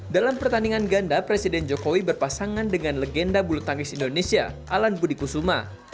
dalam pertandingan ganda presiden jokowi berpasangan dengan legenda bulu tangkis indonesia alan budi kusuma